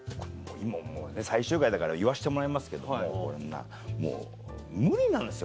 今もうね最終回だから言わせてもらいますけども無理なんですよ